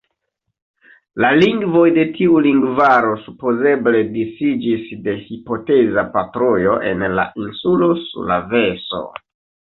La lingvoj de tiu lingvaro supozeble disiĝis de hipoteza patrujo en la insulo Sulaveso.